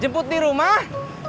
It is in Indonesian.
jemput di rumah